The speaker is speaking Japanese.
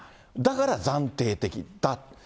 だから暫定的だと。